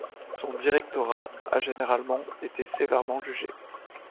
Son directorat a généralement été sévèrement jugé.